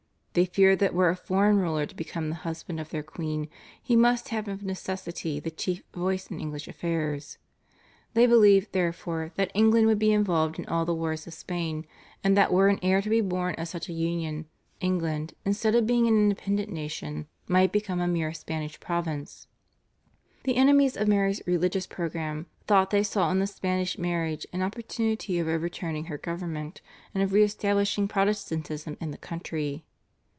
They feared that were a foreign ruler to become the husband of their queen he must have of necessity the chief voice in English affairs. They believed, therefore, that England would be involved in all the wars of Spain, and that were an heir to be born of such a union, England, instead of being an independent nation, might become a mere Spanish province. The enemies of Mary's religious programme thought they saw in the Spanish marriage an opportunity of overturning her government, and of re establishing Protestantism in the country.